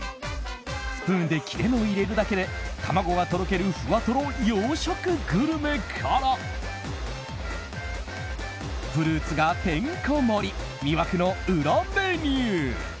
スプーンで切れ目を入れるだけで卵がとろけるふわトロ洋食グルメからフルーツがてんこ盛り魅惑の裏メニュー。